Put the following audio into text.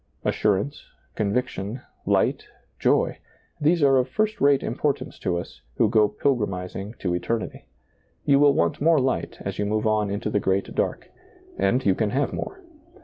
Assurance, conviction, light, joy ; these are of first rate importance to us, who go pilgrimizing to eternity. You will want more light as you move on into the great dark ; and you can have more.